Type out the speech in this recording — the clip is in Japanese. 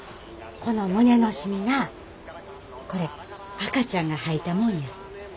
この胸の染みなこれ赤ちゃんが吐いたもんや。